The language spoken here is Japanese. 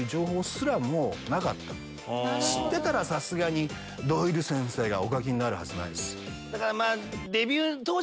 知ってたらさすがにドイル先生がお書きになるはずないです。